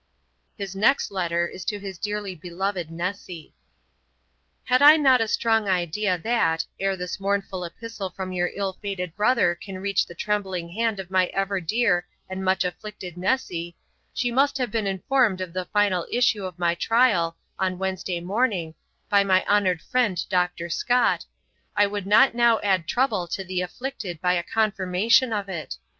His next letter is to his dearly beloved Nessy. 'Had I not a strong idea that, ere this mournful epistle from your ill fated brother can reach the trembling hand of my ever dear and much afflicted Nessy, she must have been informed of the final issue of my trial on Wednesday morning, by my honoured friend Dr. Scott, I would not now add trouble to the afflicted by a confirmation of it.